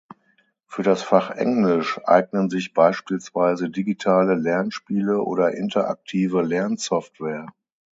Für das Fach Englisch eignen sich beispielsweise digitale Lernspiele oder interaktive Lernsoftware.